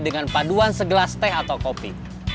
dengan paduan segelas teh atau kopi